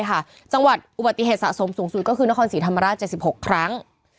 ใช่ค่ะจังหวัดอุบัติเหตุสะสมสูงสุดก็คือนครสีธรรมราชเจ็บสิบหกครั้ง